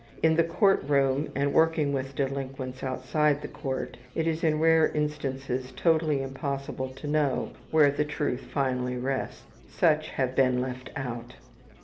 In the court room and working with delinquents outside the court, it is in rare instances totally impossible to know where the truth finally rests; such have been left out.